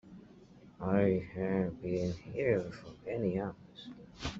I have been here for many hours.